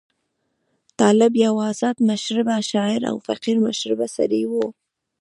طالب یو آزاد مشربه شاعر او فقیر مشربه سړی وو.